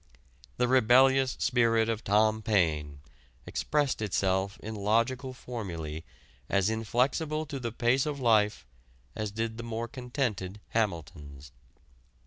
The rebellious spirit of Tom Paine expressed itself in logical formulæ as inflexible to the pace of life as did the more contented Hamilton's.